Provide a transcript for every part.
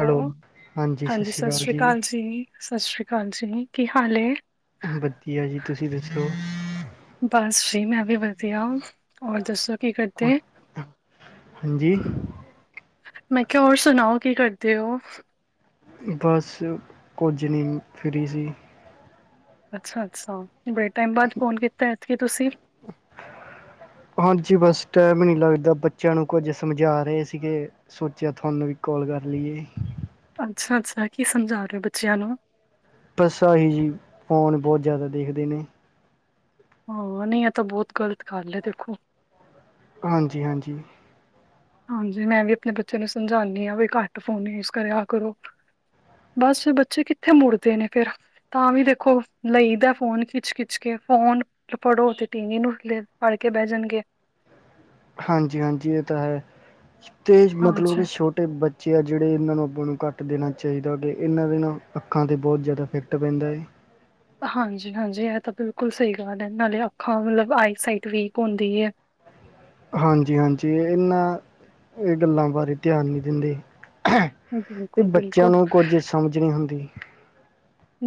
Hello, ਹਾਂਜੀ ਸਤਿ ਸ਼੍ਰੀ ਅਕਾਲ ਜੀ, ਸਤਿ ਸ਼੍ਰੀ ਅਕਾਲ ਜੀ, ਕੀ ਹਾਲ ਹੈ? ਵਧੀਆ ਜੀ, ਤੁਸੀਂ ਦੱਸੋ? ਬਸ ਜੀ ਮੈਂ ਵੀ ਵਧੀਆ ਹੋਰ ਦੱਸੋ। ਕੀ ਕੁ ਕਰਤੇ? ਹਾਂਜੀ ਮੈਂ ਕਿਹਾ ਹੋਰ ਸੁਣਾਓ ਕੀ ਕਰਦੇ ਹੋ। ਬਸ ਕੁਝ ਨਹੀਂ ਫਰੀ ਸੀ। ਅੱਛਾ- ਅੱਛਾ ਬੜੇ ਟਾਈਮ ਬਾਅਦ ਫੋਨ ਕੀਤਾ ਇੱਥ ਤੁਸੀਂ। [unintelligible] ਹਾਂਜੀ ਬਸ ਟਾਈਮ ਹੀ ਨਹੀਂ ਲੱਗਦਾ ਬੱਚਿਆਂ ਨੂੰ ਕੁੱਝ ਸਮਝਾ ਰਹੇ ਸੀਗੇ। ਸੋਚਿਆ ਤੁਹਾਨੂੰ ਵੀ ਕੋਲ ਕਰ ਲਈਏ। ਅੱਛ-ਅੱਛਾ ਕੀ ਸਮਝਾ ਰਹੇ ਹੋ ਬੱਚਿਆਂ ਨੂੰ। ਬਸ ਆ ਹੀ ਜੀ, ਫੋਨ ਬਹੁਤ ਜਾਦਾ ਦੇਖਦੇ ਨੇ। ਹਾਂ, ਨਹੀਂ ਇਹ ਤਾਂ ਬਹੁਤ ਗ਼ਲਤ ਗੱਲ ਹੈ ਦੇਖੋ। ਹਾਂਜੀ-ਹਾਂਜੀ ਹਾਂਜੀ, ਮੈਂ ਵੀ ਆਪਣੇ ਬੱਚੇ ਨੂੰ ਸਮਝਾਨੀ ਹਾਂ ਵੀ ਘੱਟ ਫੋਨ ਯੂਸ ਕਰਿਆ ਕਰੋ। ਬਸ ਬੱਚੇ ਕਿੱਥੇ ਮੁੜਦੇ ਨੇ ਫੇਰ। ਤਾਂ ਵੀ ਦੇਖੋ ਲਈਦਾ ਫੋਨ ਖਿੱਚ-ਖਿੱਚ ਕੇ ਫੋਨ। ਫੜੋ ਤੇ ਟੀ ਵੀ ਨੂੰ ਲੈ ਫੜ ਕੇ ਬਹਿ ਜਾਣਗੇ। ਹਾਂਜੀ-ਹਾਂਜੀ, ਇਹ ਤਾਂ ਹੈ ਤੇ ਮਤਲਬ ਹਾਂਜੀ। ਕਿ ਛੋ ਤੇ ਬੱਚੇ ਆ ਜਿਹੜੇ ਇਹਨਾਂ ਨੂੰ ਆਪਾਂ ਨੂੰ ਘੱਟ ਦੇਣਾ ਚਾਹੀਦਾ ਕਿ ਇਹਨਾਂ ਦੇ ਨਾ ਅੱਖਾਂ ਤੇ ਬਹੁਤ ਜ਼ਿਆਦਾ ਇਫੈਕਟ ਪੈਂਦਾ ਏ। ਹਾਂਜੀ-ਹਾਂਜੀ, ਇਹ ਤਾਂ ਬਿਲਕੁਲ ਸਹੀ ਗੱਲ ਹੈ ਨਾਲੇ ਅੱਖਾਂ ਮਤਲਬ ਆਈ ਸਾਈਟ ਵੀਕ ਹੁੰਦੀ ਹੈ। ਹਾਂਜੀ-ਹਾਂਜੀ, ਇਹਨਾਂ ਇਹ ਗੱਲਾਂ ਬਾਰੇ ਧਿਆਨ ਨੀ ਦਿੰਦੇ। ਤੇ ਬਿਲਕੁਲ, ਬੱਚਿਆਂ ਬਿਲਕੁਲ, ਨੂੰ ਕੁੱਝ ਸਮਝ ਨੀ ਹੁੰਦੀ।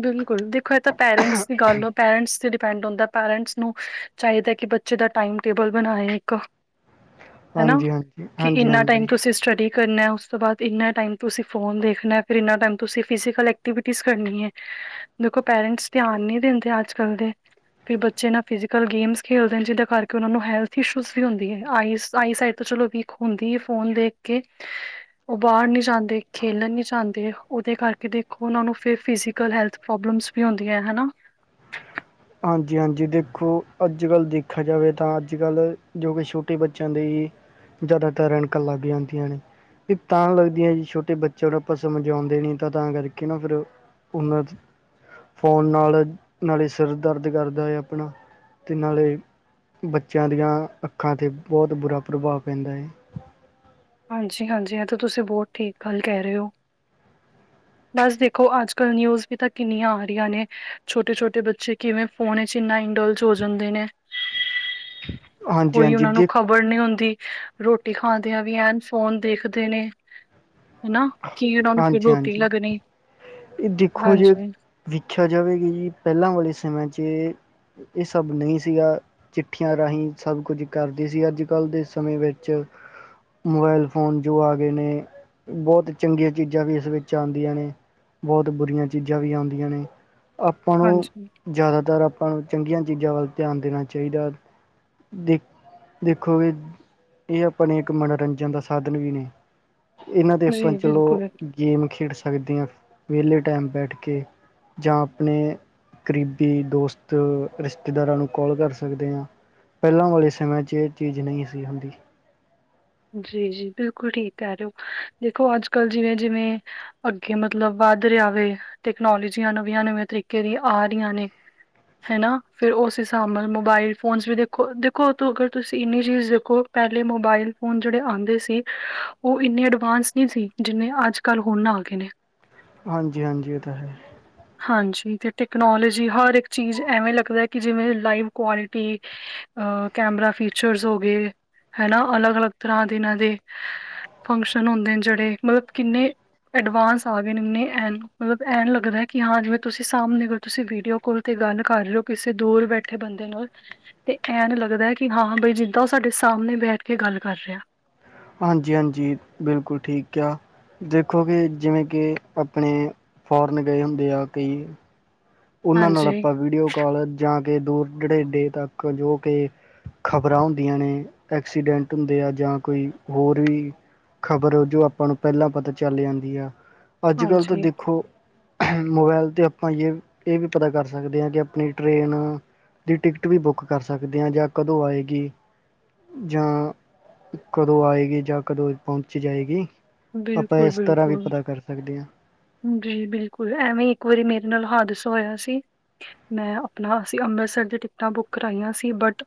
ਬਿਲਕੁਲ ਦੇਖੋ ਇਹ ਤਾਂ ਪੈਰੈਂਟਸ ਦੀ ਗੱਲ ਹੋ, ਪੈਰੈਂਟਸ ਤੇ ਡਿਪੈਂਡ ਹੁੰਦਾ, ਪੈਰੈਂਟਸ ਨੂੰ ਚਾਹੀਦਾ ਕਿ ਬੱਚੇ ਦਾ ਟਾਈਮ ਟੇਬਲ ਬਣਾਏ ਇੱਕ। ਹਨਾ ਹਾਂਜੀ-ਹਾਂਜੀ, ਕਿ ਇੰਨਾ ਹਾਂਜੀ-ਹਾਂਜੀ। ਟਾਈਮ ਤੁਸੀ ਸਟੱਡੀ ਕਰਨਾ ਉਸ ਤੋਂ ਬਾਅਦ ਇੰਨਾ ਟਾਈਮ ਤੁਸੀਂ ਫੋਨ ਦੇਖਨੇ, ਫਿਰ ਇੰਨਾ ਟਾਈਮ ਤੁਸੀਂ ਫਿਜੀਕਲ ਐਕਟੀਵਿਟੀਜ਼ ਕਰਨੀ ਹੈ। ਦੇਖੋ ਪੇਰੈਂਟਸ ਧਿਆਨ ਨਹੀਂ ਦਿੰਦੇ ਅੱਜ ਕੱਲ ਦੇ। ਵੀ ਬੱਚੇ ਨਾ ਫਿਜ਼ੀਕਲ ਗੇਮਸ ਖੇਡਦੇ ਨੇ ਜਿਹਦੇ ਕਰਕੇ ਉਹਨਾਂ ਨੂੰ ਹੈਲਥ ਇਸ਼ੂਜ਼ ਵੀ ਹੁੰਦੀ ਹੈ ਆਈਸ ਆਈ ਸਾਇਡ ਤੇ ਚਲੋ ਵੀ ਹੁੰਦੀ ਹੈ ਫੋਨ ਦੇਖ ਕੇ। ਉਹ ਬਾਹਰ ਨੀ ਜਾਂਦੇ, ਖੇਲਣ ਨੀ ਜਾਂਦੇ, ਉਹਦੇ ਕਰਕੇ ਦੇਖੋ ਉਹਨਾਂ ਨੂੰ ਫਿਰ ਫਿ ਕਲ ਹੈਲਥ ਪ੍ਰੋਬਲਮਸ ਵੀ ਹੁੰਦੀਆਂ ਹਨਾ। ਹਾਂਜੀ-ਹਾਂਜੀ, ਦੇਖੋ ਅੱਜ ਕੱਲ ਦੇਖਿਆ ਜਾਵੇ ਤਾਂ ਅੱਜ ਕੱਲ ਜੋ ਕਿ ਛੋਟੇ ਬੱਚਿਆਂ ਦੇ ਜ਼ਿਆਦਾਤਰ ਐਨਕਾਂ ਲੱਗ ਜਾਂਦੀਆਂ ਨੇ। ਤਾਂ ਲੱਗਦੀਆਂ ਜੀ, ਛੋਟੇ ਬੱਚਿਆਂ ਨੂੰ ਆਪਾਂ ਸਮਝਾਉਂਦੇ ਨ ਤਾਂ ਕਰਕੇ ਨਾ ਫਿਰ ਉਹਨਾਂ ਫੋਨ ਨਾਲ ਨਾਲੇ ਸਿਰ ਦਰਦ ਕਰਦਾ ਹੈ ਅਪਣਾ ਤੇ ਨਾਲੇ ਬੱਚਿਆਂ ਦੀਆਂ ਅੱਖਾਂ ਤੇ ਬਹੁਤ ਬੁਰਾ ਪ੍ਰਭਾਵ ਪੈਂਦਾ ਏ। ਹਾਂਜੀ-ਹਾਂਜੀ ਇਹ ਤਾਂ ਤੁਸੀਂ ਬਹੁਤ ਠੀਕ ਗੱਲ ਕਹਿ ਰਹੇ ਹੋ। ਬਸ ਦੇਖੋ ਅੱਜ ਕੱਲ ਨਿਊਸ ਵੀ ਤਾਂ ਕਿੰਨੀਆਂ ਆ ਰਹੀਆਂ ਨੇ ਛੋਟੇ-ਛੋਟੇ ਬੱਚੇ ਕਿਵੇਂ ਫੋਨ ਚ ਇੰਨਾ ਇੰਡੋਲਸ ਹੋ ਜਾਂਦੇ ਨੇ। [unintelligible] ਕੋਈ ਉਹਨਾਂ ਨੂੰ ਦੇ ਖ਼ਬਰ ਨਹੀਂ ਹੁੰਦੀ ਰੋਟੀ ਖਾਦਿਆਂ ਵੀ ਐ। ਫੋਨ ਦੇਖਦੇ ਨੇ ਹਨਾ ਕੀ ਉਹਨਾਂ ਨੂੰ ਫਿਰ ਰੋਟੀ ਹਾਂਜੀ-ਹਾਂਜੀ ਲੱਗਣੀ। ਇਹ ਦੇਖੋ ਜੇ ਹਾਂਜੀ ਵੇਖਿਆ ਜਾਵੇਗਾ ਕਿ ਜੀ ਪਹਿਲਾਂ ਵਾਲੇ ਸਮਿਆਂ 'ਚ। ਇਹ ਸਭ ਨਹੀਂ ਸੀਗਾ। ਚਿੱਠੀਆਂ ਰਾਹੀਂ ਸਭ ਕੁਝ ਕਰਦੀ ਸੀ ਅੱਜ ਕੱਲ ਦੇ ਸਮੇਂ ਵਿੱਚ ਮੋਬਾਇਲ ਫੋਨ ਜੋ ਆ ਗਏ ਨੇ ਬਹੁਤ ਚੰਗੀਆਂ ਚੀਜ਼ਾਂ ਵੀ ਇਸ ਵਿੱਚ ਆਦੀਆਂ ਨੇ। ਬਹੁਤ ਬੁਰੀਆਂ ਚੀਜ਼ਾਂ ਵੀ ਆਦੀਆਂ ਨੇ ਆਪਾਂ ਨੂੰ ਹਾਂਜੀ ਜ਼ਿਆਦਾਤਰ ਪਾਂ ਨੂੰ ਚੰਗੀਆਂ ਚੀਜ਼ਾਂ ਵੱਲ ਧਿਆਨ ਦੇਣਾ ਚਾਹੀਦਾ ਦੇਖ ਦੇਖੋਗੇ ਇਹ ਅਪਣੇ ਇੱਕ ਮਨੋਰੰਜਨ ਦਾ ਸਾਧਨ ਵੀ ਨੇ, ਇਹਨਾਂ ਦੇ ਆਪਾਂ ਜੀ ਚਲੋ ਬਿਲਕੁਲ ਗੇਮ ਖੇਡ ਸਕਦੇ ਹਾਂ ਵਿਹਲੇ ਟਾਈਮ ਬੈਠ ਕੇ ਜਾਂ ਆਪਨੇ ਕਰੀਬੀ ਦੋਸਤ ਰਿਸ਼ਤੇਦਾਰਾਂ ਨੂੰ ਕੋਲ ਕਰ ਸਕਦੇ ਹਾਂ। ਪਹਿਲਾਂ ਵਾਲੇ ਸਮੇਂ ਚ ਇਹ ਚੀਜ਼ ਨਹੀਂ ਸੀ ਹੁੰਦੀ। ਜੀ-ਜੀ ਬਿਲਕੁਲ ਠੀਕ ਕਹਿ ਰਹੇ ਹੋ ਦੇਖੋ ਅੱਜ ਕੱਲ ਜਿਵੇਂ-ਜਿਵੇਂ ਅੱਗੇ ਮਤਲਬ ਵੱਧ ਰਿਹਾ ਵ ਤੈਕਨੋਲੋਜੀਆਂ ਨਵੀਆਂ-ਨਵੀਆਂ ਤਰੀਕੇ ਦੀ ਆ ਰਹੀਆਂ ਨੇ। ਹੈ ਨਾ ਫਿਰ ਉਸ ਹਿਸਾਬ ਨਾਲ ਮੋਬਾਇਲ ਫੋਨਸ ਵੀ ਦੇਖੋ, ਦੇਖੋ ਤੋਂ ਅਗਰ ਤੁਸੀਂ ਇੰਨੀ ਚੀਜ਼ ਦੇਖੋ ਪਹਿਲੇ ਮੋਬਾਈਲ। ਹੁਣ ਜਿਹੜੇ ਆਉਂਦੇ ਸੀ ਉਹ ਇੰਨੇ ਅਡਵਾਂਸ ਨਹੀਂ ਸੀ ਜਿੰਨੇ ਅੱਜ ਕੱਲ ਹੁਣ ਨਾ ਆ ਗਏ ਨੇ। ਹਾਂਜੀ, ਹਾਂਜੀ ਉਹ ਤਾਂ ਹੈ। ਹਾਂਜੀ ਅਤੇ ਟੈਕਨੋਲੋਜੀ ਹਰ ਇੱਕ ਚੀਜ਼ ਐਵੇਂ ਲੱਗਦਾ ਕਿ ਜਿਵੇਂ ਲਾਈਵ ਕੁਆਲਿਟੀ। ਅ ਕੈਮਰਾ ਫੀਚਰਸ ਹੋ ਗਏ ਹੈ ਨਾ ਅਲੱਗ ਅਲੱਗ। ਤਰ੍ਹਾਂ ਦਿਨਾਂ ਦੇ ਫੰਕਸ਼ਨ ਹੁੰਦੇ ਨੇ ਜਿਹੜੇ ਮਤਲਬ ਕਿੰਨੇ। ਐਡਵਾਂਸ ਆ ਗਏ ਨੇ ਇੰਨੇ ਐਨ ਮਤਲਬ ਐਨ ਲੱਗਦਾ ਹੈ ਕਿ ਹਾਂ ਜਿਵੇਂ ਤੁਸੀਂ ਸਾਹਮਣੇ ਅਗਰ ਤੁਸੀਂ ਵੀਡੀਓ। ਫੋਨ ਤੇ ਗੱਲ ਕਰ ਰਹੇ ਹੋ ਕਿਸੇ ਦੂਰ ਬੈਠੇ ਬੰਦੇ ਨਾਲ। ਤੇ ਐਨ ਲੱਗਦਾ ਕਿ ਹਾਂ ਬਈ, ਜਿੱਦਾਂ ਉਹ ਸਾਡੇ ਸਾਹਮਣੇ ਬੈਠ ਕੇ ਗੱਲ ਕਰ ਰਿਹਾ। ਹਾਂਜੀ ਹਾਂਜੀ ਬਿਲਕੁਲ ਠੀਕ ਕਿਹਾ। ਦੇਖੋ ਕਿ ਜਿਵੇਂ ਕਿ ਆਪਣੇ ਫੋਰਨ ਗਏ ਹੁੰਦੇ ਆ ਕਈ। ਉਹਨਾਂ ਨਾਲ ਹਾਂਜੀ। ਆਪਾਂ ਵੀਡੀਓ ਕਾਲ ਜਾਂ ਕੇ ਦੂਰ ਦੁਰੇਡੇ ਤੱਕ ਜੋ ਕਿ। ਖ਼ਬਰਾਂ ਹੁੰਦੀਆਂ ਨੇ ਐਕਸੀਡੈਂਟ ਹੁੰਦੇ ਆ ਜਾਂ ਕੋਈ ਹੋਰ ਵੀ। ਖ਼ਬਰਾਂ ਜੋ ਆਪਾਂ ਨੂੰ ਪਹਿਲਾਂ ਪਤਾ ਚੱਲ ਜਾਂਦੀਆ। ਅੱਜ ਕੱਲ੍ਹ ਤਾਂ ਹਾਂਜੀ ਦੇਖੋ ਮੋਬਾਇਲ 'ਤੇ ਆਪਾਂ ਜ। ਇਹ ਵੀ ਪਤਾ ਕਰ ਸਕਦੇ ਹਾਂ ਕਿ ਆਪਣੀ ਟਰੇਨ। ਦੀ ਟਿਕਟ ਵੀ ਬੁੱਕ ਕਰ ਸਕਦੇ ਹਾਂ ਜਾਂ ਕਦੋਂ ਆਏਗੀ। ਜਾਂ ਕਦੋਂ ਆਏਗੀ ਜਾਂ ਕਦੋਂ ਪਹੁੰਚ ਜਾਏਗੀ। ਆਪਾਂ ਇਸ ਤਰ੍ਹਾਂ ਵੀ ਬਿਲਕੁਲ-ਬਿਲਕੁਲ ਪਤਾ ਕਰ ਸਕਦੇ ਹਾਂ। ਜੀ ਬਿਲਕੁਲ ਐਵੇਂ ਇ ਇੱਕ ਵਾਰੀ ਮੇਰੇ ਨਾਲ ਹਾਦਸਾ ਹੋਇਆ ਸੀ। ਮੈਂ ਆਪਣਾ ਅਸੀਂ ਅੰਮ੍ਰਿਤਸਰ ਦੀ ਟਿਕਟਾਂ ਬੁੱਕ ਕਰਾਈਆਂ ਸੀ ਬਟ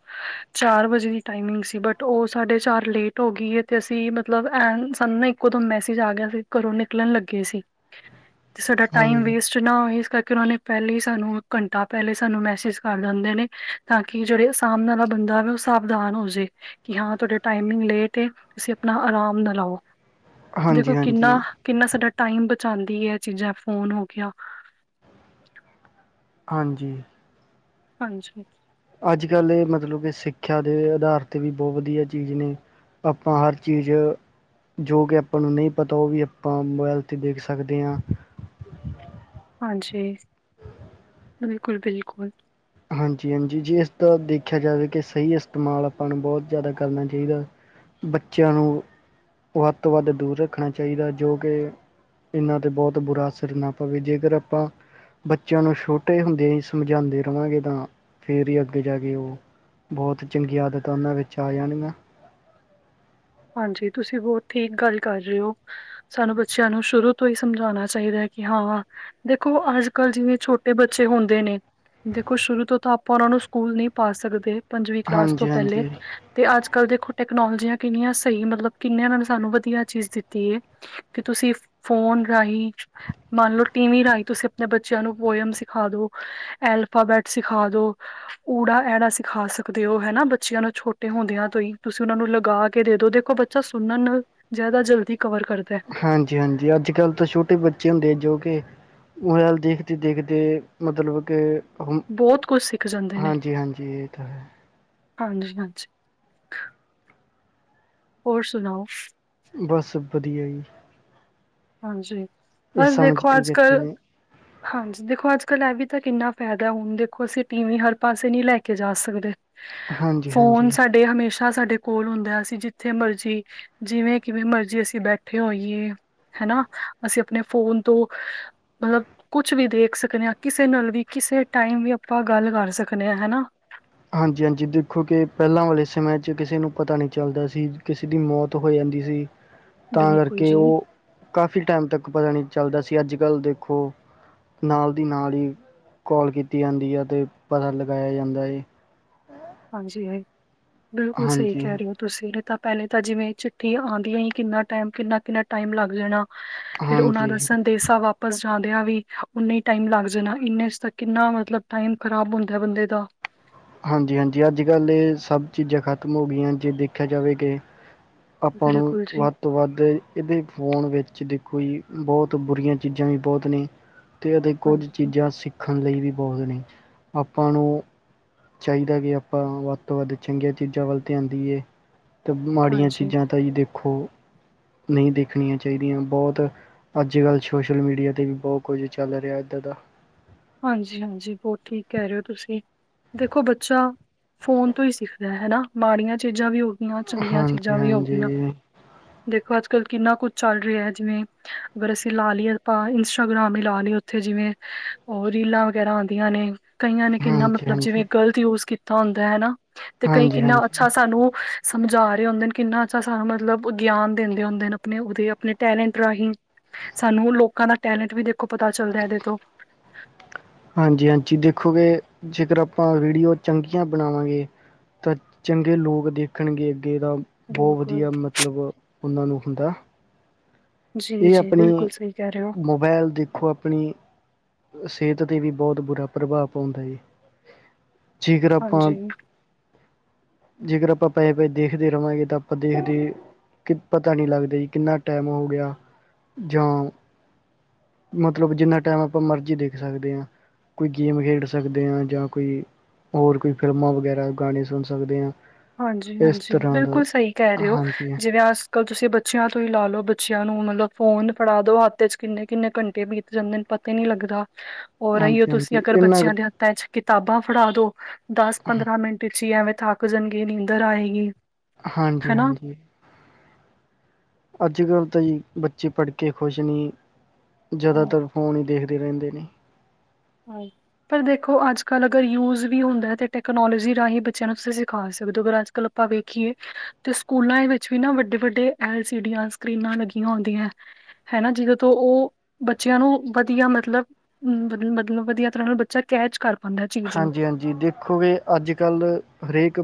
ਚਾਰ ਵਜੇ ਦੀ ਟਾਈਮਿੰਗ ਸੀ ਬਟ। ਉਹ ਸਾਡੇ ਚਾਰ ਲੇਟ ਹੋ ਗਈ ਹੈ ਤੇ ਅਸੀਂ ਮਤਲਬ ਐ ਸਾਨੂੰ ਨਾ ਇੱਕੋ ਦਮ ਮੈਸੇਜ ਆ ਗਿਆ ਸੀ। ਘਰੋਂ ਨਿਕਲਣ ਲੱਗੇ ਸੀ ਤੇ ਸਾਡਾ ਟਾਈਮ ਹਾਂਜੀ ਵੇਸਟ। ਨਾ ਹੋਏ ਇਸ ਕਰਕੇ ਉਹ ਨੇ ਪਹਿਲੇ ਹੀ ਸਾਨੂੰ ਘੰਟਾ ਪਹਿਲੇ ਸਾਨੂੰ ਮੈਸੇਜ ਕਰ ਦਿੰਦੇ ਨੇ। ਤਾਂ ਕਿ ਜਿਹੜੇ ਸਾਮਣੇ ਵਾਲਾ ਬੰਦਾ ਉਹ ਸਾਵਧਾਨ ਹੋ ਜਾਏ। ਜਾਂ ਤੁਹਾਡਾ ਟਾਈਮਿੰਗ ਲੇਟ ਏ ਤੁਸੀਂ ਆਪਣਾ ਆਰਾਮ ਨਾਲ ਆਓ। ਦੇਖੋ ਹਾਂਜੀ ਕਿੰਨਾ ਹਾਂਜੀ ਕਿੰਨਾ ਸਾਡਾ ਟਾਈਮ ਬਚਾਉਂਦੀ ਹੈ ਇਹ ਚੀਜ਼ਾਂ ਫੋਨ ਹੋ ਗਿਆ। ਹਾਂਜੀ। ਹਾਂਜੀ। ਅੱਜ ਕੱਲ੍ਹ ਇਹ ਮਤਲਬ ਕਿ ਸਿੱਖਿਆ ਦੇ ਆਧਾਰ ਤੇ ਵੀ ਬਹੁਤ ਵਧੀਆ ਚੀਜ਼ ਨੇ। ਆਪਾਂ ਹਰ ਚੀਜ਼। ਜੋ ਕਿ ਆਪਾਂ ਨੂੰ ਨਹੀਂ ਪਤਾ ਉਹ ਵੀ ਆਪਾਂ ਮੋਬਾਇਲ ਤੇ ਦੇਖ ਸਕਦੇ ਹਾਂ। ਹਾਂਜੀ। ਬਿਲਕੁਲ ਬਿਲਕੁਲ। ਹਾਂਜੀ ਹਾਂਜੀ ਜੇ ਇਸਦਾ ਦੇਖਿਆ ਜਾਵੇ ਕਿ ਸਹੀ ਇਸਤੇਮਾਲ ਆਪਾਂ ਨੂੰ ਬਹੁਤ ਜ਼ਿਆਦਾ ਕਰਨਾ ਚਾਹੀਦਾ। ਬੱਚਿਆਂ ਨੂੰ, ਵੱਧ ਤੋਂ ਵੱਧ ਦੂਰ ਰੱਖਣਾ ਚਾਹੀਦਾ ਜੋ, ਕਿ ਇਹਨਾਂ ਤੇ ਬਹੁਤ ਬੁਰਾ ਅਸਰ ਨਾ ਪਵੇ। ਜੇਕਰ ਆਪਾਂ ਬੱਚਿਆਂ ਨੂੰ ਛੋਟੇ ਹੁੰਦੇ ਹੀ ਸਮਝਾਂਦੇ ਚਵਾਂਗੇ ਤਾਂ ਫਿਰ ਹੀ, ਅੱਗੇ ਜਾਕੇ ਉਹ, ਬਹੁਤ ਚੰਗੀਆ ਆਦਤਾ ਉਹਨਾਂ ਵਿੱਚ ਆ ਜਾਣਗੀਆਂ। ਹਾਂਜੀ ਤੁਸੀਂ ਬਹੁਤ ਠੀਕ ਗੱਲ ਕਰ ਰਹੇ ਹੋ। ਸਾਨੂੰ ਬੱਚਿਆਂ ਨੂੰ ਸ਼ੁਰੂ ਤੋਂ ਹੀ ਸਮਝਾਉਣਾ ਚਾਹੀਦਾ ਹੈ ਕਿ ਹਾਂ। ਦੇਖੋ ਅੱਜ ਕੱਲ੍ਹ ਜਿਵੇਂ ਛੋਟੇ ਬੱਚੇ ਹੁੰਦੇ ਨੇ। ਦੇਖੋ ਸ਼ੁਰੂ ਤੋਂ ਤਾਂ ਆਪਾਂ ਉਹਨਾਂ ਨੂੰ ਸਕੂਲ ਨਹੀਂ ਪਾ ਸਕਦੇ। ਪੰਜਵੀਂ ਕਲਾਸ ਤੋਂ ਹਾਂਜੀ ਪਹਿਲੇ ਹਾਂਜੀ ਤੇ ਅੱਜ ਕੱਲ ਦੇਖੋ ਟੈਕਨੋਲੋਜੀਆਂ। ਕਿੰਨੀਆਂ ਸਹੀ ਮਤਲਬ ਕਿੰਨੇ ਉਹਨਾਂ ਨੇ ਸਾਨੂੰ ਵਧੀਆ ਚੀਜ਼ ਦਿੱਤੀ ਏ। ਕਿ ਤੁਸੀਂ ਫੋਨ ਰਾਹੀਂ। ਮੰਨ ਲਓ, ਟੀ ਵੀ ਰਾਹੀਂ ਤੁਸੀਂ ਆਪਣੇ ਬੱਚਿਆਂ ਨੂੰ ਪੋਇਮ ਸਿਖਾ ਦੋ ਅਲਫਾਬੈਟ ਸਿਖਾ ਦੋ। ੳੜਾ ਐੜਾ ਸਿਖਾ ਸਕਦੇ ਹੋ ਹੈਨਾ ਬੱਚਿਆਂ ਨੂੰ ਛੋਟੇ ਹੁੰਦਿਆਂ ਤੋਂ ਹੀ ਤੁਸੀਂ ਉਹ ਨੂੰ ਲਗਾ। ਕੇ ਦੇ ਦੋ ਦੇਖੋ ਬੱਚਾ ਸੁਣਨ ਨਾਲ ਜ਼ਿਆਦਾ ਜਲਦੀ ਕਵਰ ਕਰਦਾ। ਹਾਂਜੀ-ਹਾਂਜੀ, ਅੱਜ ਕੱਲ ਤਾਂ ਛੋਟੇ ਬੱਚੇ ਹੁੰਦੇ ਆ ਜੋ, ਕਿ ਮੋਬਾਇਲ ਦੇਖਦੇ-ਦੇਖਦੇ, ਮਤਲਬ ਕਿ ਹੂੰ, ਬਹੁਤ ਕੁਝ ਸਿੱਖ ਜਾਂਦੇ ਹਾਂਜੀ-ਹਾਂਜੀ ਇਹ ਤਾ ਹੈ। ਹਾਂਜੀ-ਹਾਂਜੀ। ਹੋਰ ਸੁਣਾਓ? ਬਸ, ਵਧੀਆ ਜੀ। ਹਾਂਜੀ, ਇਹ ਬਸ ਦੇਖੋ ਸਮਝਦੇ ਕਿੱਥੇ ਅੱਜ-ਕਲ ਨੇ ਹਾਂਜੀ ਦੇਖੋ ਅੱਜ-ਕੱਲ ਇਹ ਵੀ ਤਾਂ ਕਿੰਨਾ ਫਾਇਦਾ, ਹੁਣ ਦੇਖੋ ਅਸੀਂ ਟੀਵੀ ਹਰ ਪਾਸੇ ਨਹੀਂ ਲੈਕੇ ਜਾ ਸਕਦੇ। ਹਾਂਜੀ ਫੋਨ ਹਾਂਜੀ ਸਾਡੇ, ਹਮੇਸ਼ਾ ਸਾਡੇ ਕੋਲ ਹੁੰਦਾ। ਅਸੀਂ ਜਿੱਥੇ ਮਰਜੀ ਜਿਵੇਂ, ਕਿਵੇਂ ਮਰਜ਼ੀ ਅਸੀਂ ਬੈਠੇ ਹੋਈਏ ਹਨਾ, ਅਸੀਂ ਆਪਣੇ ਫੋਨ ਤੋ ਮਤਲਬ, ਕੁਛ ਵੀ ਦੇਖ ਸਕਨੇ ਹਾਂ, ਕਿਸੇ ਨਾਲ ਵੀ ਕਿਸੇ ਟਾਈਮ ਵੀ ਆਪਾਂ ਗੱਲ ਕਰ ਸਕਦੇ ਹਾਂ, ਹਨਾ। ਹਾਂਜੀ-ਹਾਂਜੀ ਦੇਖੋ ਕਿ, ਪਹਿਲਾਂ ਵਾਲੇ ਸਮੇਂ'ਚ ਕਿਸੇ ਨੂੰ ਪਤਾ ਨਹੀਂ ਚੱਲਦਾ ਸੀ, ਕਿਸੇ ਦੀ ਮੌਤ ਹੋ ਜਾਂਦੀ ਸੀ। ਤਾਂ ਬਿਲਕੁਲ ਕਰਕੇ, ਜੀ ਉਹ ਕਾਫੀ ਟਾਈਮ ਤੱਕ ਪਤਾ ਨਹੀਂ ਚੱਲਦਾ ਸੀ, ਅੱਜ-ਕੱਲ ਦੇਖੋ ਨਾਲ ਦੀ ਨਾਲ ਹੀ, ਕੌਲ ਕੀਤੀ ਜਾਂਦੀ ਹੈ ਅਤੇ, ਪਤਾ ਲਗਾਇਆ ਜਾਂਦਾ ਏ। ਹਮ [inaudible] ਹਾਂਜੀ। ਬਿਲਕੁਲ ਸਹੀ ਕਹਿ ਰਹੇ ਹੋ। ਤੁਸੀਵੇਰੇ ਤਾਂ ਪਹਿਲੇ ਤਾਂ ਜਿਵੇਂ ਚਿੱਠੀਆਂ ਆਉਂਦੀਆਂ ਹੀ, ਕਿੰਨਾ ਟਾਈਮ, ਕਿੰਨਾ-ਕਿੰਨਾ ਟਾਈਮ ਲੱਗ ਜਾਣਾ। ਫਿਰ ਉਹਨਾਂ ਦਾ, ਹਾਂਜੀ ਸੰ ਦੇਸਾ ਵਾਪਸ ਜਾਂਦਿਆਂ ਵੀ, ਉਓਨੇ ਹੀ ਟਾਈਮ ਲੱਗ ਜਾਣਾ ਇੰਨੇ'ਚ ਤਾਂ, ਕਿੰਨਾ ਮਤਲਬ ਟਾਈਮ ਖਰਾਬ ਹੁੰਦਾ ਬੰਦੇ ਦਾ। ਹਾਂਜੀ-ਹਾਂਜੀ, ਅੱਜ-ਕੱਲ ਇਹ ਸਭ ਚੀਜ਼ਾਂ ਖਤਮ ਹੋ ਗਈਆਂ, ਜੇ ਦੇਖਿਆ ਜਾਵੇ ਕਿ ਆਪਾਂ ਨੂੰ ਬਿਲਕੁਲ ਜੀ ਵੱਧ ਤੋਂ ਵੱਧ, ਇਹਦੇ ਫੋਨ ਵਿੱਚ ਦੇਖੋ ਜੀ, ਬਹੁਤ ਬੁਰੀਆਂ ਚੀਜ਼ਾਂ ਵੀ ਬਹੁਤ ਨੇ। ਅਤੇ ਦੇਖੋ, ਕੁਝ ਹਾਂਜੀ ਚੀਜ਼ਾਂ ਸਿੱਖਣ ਲਈ ਵੀ ਬਹੁਤ ਨੇ। ਆਪਾ ਨੂੰ ਚਾਹੀਦਾ ਕਿ ਆਪਾਂ, ਵੱਧ ਤੋਂ ਵੱਧ ਚੰਗੀਆਂ ਚੀਜ਼ਾਂ ਵੱਲ ਧਿਆਨ ਦਈਏ। ਅਤੇ ਮਾੜੀਆਂ ਹਾਂਜੀ ਚੀਜ਼ਾਂ ਤਾਂ ਜੀ ਦੇਖੋ, ਨਹੀਂ ਦੇਖਣੀਆਂ ਚਾਹੀਦੀਆਂ। ਬਹੁਤ ਅੱਜ-ਕੱਲ ਸੋਸ਼ਲ ਮੀਡੀਆ ਤੇ ਵੀ, ਬਹੁਤ ਕੁਝ ਚੱਲ ਰਿਹਾ ਇੱਦਾਂ ਦਾ। ਹਾਂਜੀ-ਹਾਂਜੀ ਬਹੁਤ ਠੀਕ ਕਹਿ ਰਹੇ ਹੋ ਤੁਸੀ, ਦੇਖੋ ਬੱਚਾ ਫੋਨ ਤੋਂ ਹੀ ਸਿੱਖਦਾ ਹੈਨਾ, ਮਾੜੀਆਂ ਚੀਜ਼ਾਂ ਵੀ ਹੋ ਗਈਆਂ, ਚੰਗੀਆਂ ਹਾਂਜੀ ਚੀਜ਼ਾਂ ਵੀ ਹੋ ਹਾਂਜੀ ਗਈਆਂ। ਦੇਖੋ, ਅੱਜ-ਕੱਲ ਕਿੰਨਾ ਕੁੱਝ ਚੱਲ ਰਿਹਾ ਹੈ, ਜਿਵੇਂ ਅਗਰ ਅਸੀਂ ਲਾ ਲਈਏ, ਆਪਾਂ ਇੰਸਟਾਗ੍ਰਾਮ ਹੀ ਲਾ ਲੀਏ ਉੱਥੇ ਜਿਵੇਂ ਉਹ ਰੀਲਾਂ ਵਗੈਰਾ ਆਉਂਦੀਆਂ ਨੇ, ਕਈਆਂ ਨੇ ਕਿੰਨਾ ਹਾਂਜੀ ਮਤਲਬ ਜਿਵੇਂ ਹਾਂਜੀ ਗ਼ਲਤ ਯੂਜ ਕੀਤਾ ਹੁੰਦਾ ਹੈਨਾ। ਤੇ ਕਈ, ਹਾਂਜੀ ਕਿੰਨਾ ਹਾਂਜੀ ਅੱਛਾ ਸਾਨੂੰ ਸਮਝਾ ਰਹੇ ਹੁੰਦੇਨ, ਕਿੰਨਾ ਸਾਨੂੰ ਮਤਲਬ ਗਿਆਨ ਦਿੰਦੇ ਹੁੰਦੇ, ਆਪਣੇ, ਉਹਦੇ ਆਪਣੇ ਟੈਲੈਂਟ ਰਾਹੀਂ। ਸਾਨੂੰ ਲੋਕਾਂ ਦਾ ਟੈਲੈਂਟ ਵੀ ਦੇਖੋ ਪਤਾ ਚੱਲਦਾ ਇਹਦੇ ਤੋਂ ਹਾਂਜੀ ਹਾਂਜੀ ਦੇਖੋਗੇ ਜੇਕਰ ਆਪਾਂ ਵੀਡੀਓ ਚੰਗੀਆਂ ਬਣਾਵਾਂਗੇ ਤਾਂ ਚੰਗੇ ਲੋਕ ਦੇਖਣਗੇ ਅੱਗੇ ਤਾਂ ਬਹੁਤ ਬਿਲਕੁਲ ਵਧੀਆ ਮਤਲਬ ਉਹਨਾਂ ਨੂੰ ਹੁੰਦਾ ਜੀ-ਜੀ ਬਿਲਕੁਲ ਸਹੀ ਕਹਿ ਰਹੇ ਹੋ। ਮਬੈਲ ਦੇਖੋ ਆਪਣੀ ਸਿਹਤ ਤੇ ਵੀ ਬਹੁਤ ਬੁਰਾ ਪ੍ਰਭਾਵ ਪਾਉਂਦਾ ਏ, ਜੇਕਰ ਆਪਾਂ ਹਾਂਜੀ, ਜੇਕਰ ਆਪਾਂ ਪਏ-ਪਏ ਦੇਖਦੇ ਰਹਾਂਗੇ, ਤਾਂ ਆਪਾਂ ਦੇਖਦੇ ਕਿ ਪਤਾ ਨਹੀਂ ਲੱਗਦਾ ਜੀ, ਕਿੰਨਾ ਟਾਈਮ ਹੋ ਗਿਆ, ਜਾਂ ਮਤਲਬ, ਜਿੰਨਾ ਟਾਈਮ ਆਪਾਂ ਮਰਜ਼ੀ ਦੇਖ ਸਕਦੇ ਹਾਂ। ਕੋਈ ਗੇਮ ਖੇਡ ਸਕਦੇ ਹਾਂ, ਜਾਂ ਕੋਈ ਹੋਰ ਕੋਈ, ਫਿਲਮਾਂ ਵਗੈਰਾ ਗਾਣੇ ਸੁਣ ਸਕਦੇ ਹਾਂ। ਇਸ ਹਾਂਜੀ-ਹਾਂਜੀ, ਤਰ੍ਹਾਂ ਦਾ ਬਿਲਕੁਲ ਸਹੀ ਕਹਿ ਰਹੇ ਹੋ, ਹਾਂਜੀ ਜਿਵੇਂ ਕੱਲ ਤੁਸੀਂ ਬੱਚਿਆਂ ਤੋਂ ਹੀ ਲਾ ਲਓ, ਬੱਚਿਆਂ ਨੂੰ ਮਤਲਬ ਫੋਨ ਫੜਾ ਦੋ ਹੱਥ'ਚ, ਕਿੰਨੇ-ਕਿੰਨੇ ਘੰਟੇ ਬੀਤ ਜਾਂਦੇ ਨੇ ਪਤਾ ਹੀ ਨੀ ਲੱਗਦਾ ਔਰ ਇਹੀਓ ਹਾਂਜੀ ਤੁਸੀਂ ਹਾਂਜੀ ਅਗਰ ਇਹਨਾ ਕੁ ਬੱਚਿਆਂ ਦੇ ਚ ਕਿਤਾਬਾਂ ਫੜਾ ਦੋ ਦਸ ਪੰਦਰਾਂ ਮਿੰਟ ਵਿੱਚ ਹੀ ਐਵੇਂ ਥਾਕਜਨ ਗੇ ਨੀ ਇਧਰ ਆਏਗੀ ਹਾਂਜੀ ਹਨਾ? ਹਾਂਜੀ ਅੱਜ ਕੱਲ੍ਹ ਤਾਂ ਜੀ ਬੱਚੇ ਪੜ੍ਹ ਕੇ ਖੁਸ਼ ਨਹੀਂ ਜ਼ਿਆਦਾਤਰ ਫੋਨ ਹੀ ਦੇਖਦੇ ਰਹਿੰਦੇ ਨੇ ਹ ਪਰ ਦੇਖੋ ਅੱਜ ਕੱਲ੍ਹ ਅਗਰ ਯੂਜ਼ ਵੀ ਹੁੰਦਾ ਹੈ ਤਾਂ ਟੈਕਨੋਲੋਜੀ ਰਾਹੀਂ ਬੱਚਿਆਂ ਨੂੰ ਤੁਸੀਂ ਸਿਖਾ ਸਕਦੇ ਹੋ ਅਗਰ ਅੱਜ ਲ ਆਪਾਂ ਵੇਖੀਏ ਤੇ ਸਕੂਲਾਂ ਵਿੱਚ ਵੀ ਨਾ ਵੱਡੇ ਵੱਡੇ ਐਲ ਸੀ ਡੀਆਂ ਸਕਰੀਨਾਂ ਲੱਗੀਆਂ ਹੁੰਦੀਆਂ ਹਨਾ ਜਿਦਦੇ ਤੋਂ ਉਹ ਬੱਚਿਆਂ ਨੂੰ ਵਧੀਆ ਮਤਲਬ ਅ ਮਤ ਵਧੀਆ ਤਰ੍ਹਾਂ ਨਾਲ ਬੱਚਾ ਕੈਚ ਕਰ ਪਾਉਂਦਾ ਚੀਜ਼ ਨੂੰ ਹਾਂਜੀ ਹਾਂਜੀ ਦੇਖੋਗੇ ਅੱਜ ਕੱਲ੍ਹ ਹਰੇਕ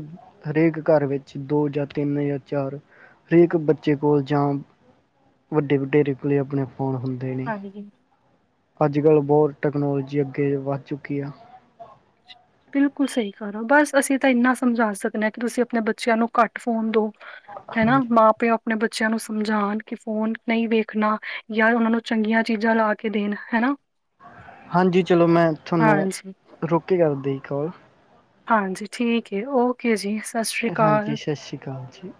ਹਰੇਕ ਘਰ ਵਿੱਚ ਦੋ ਜਾਂ ਤਿੰਨ ਜਾਂ ਚਾਰ ਹਰੇਕ ਬੱਚੇ ਕੋਲ ਜਾਂ ਵੱਡੇ ਵਡੇਰੇ ਕੋਲੇ ਆਪਣੇ ਫੋਨ ਹੁੰਦੇ ਨੇ ਹਾਂਜੀ ਜੀ ਅੱਜ ਕੱਲ੍ਹ ਬਹੁਤ ਟੈਕਨੋਲੋਜੀ ਅੱਗੇ ਵੱਧ ਚੁੱਕੀ ਆ ਬਿਲਕੁਲ ਸਹੀ ਕਰੋ ਬਸ ਅਸੀਂ ਤਾਂ ਇੰਨਾ ਸਮਝਾ ਸਕਦੇ ਹਾਂ ਕਿ ਤੁਸੀਂ ਆਪਣੇ ਬੱਚਿਆਂ ਨੂੰ ਘੱਟ ਫੋਨ ਦੋ ਹਨਾ ਹਾਂਜੀ ਮਾਂ ਪਿਓ ਆਪਣੇ ਬੱਚਿਆਂ ਨੂੰ ਸਮਝਾਉਣ ਕਿ ਫੋਨ ਨਹੀਂ ਵੇਖਣਾ ਯ ਉਹਨਾਂ ਨੂੰ ਚੰਗੀਆਂ ਚੀਜ਼ਾਂ ਲਾ ਕੇ ਦੇਣ ਹਨਾ ਹਾਂਜੀ ਚਲੋ ਮੈਂ ਤੁਹਾਨੂੰ ਹਾਂਜੀ ਰੁਕ ਕੇ ਕਰਦੀਈ ਕੋਾਲ ਹਾਂਜੀ ਠੀਕ ਓਕੇ ਜੀ ਸਤਿ ਸ਼੍ਰੀ ਅਕਾਲ। ਹਾਂਜੀ ਸਤਿ ਸ੍ਰੀ ਅਕਾਲ ਜੀ